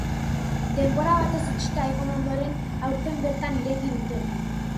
Denbora batez itxita egon ondoren, aurten bertan ireki dute.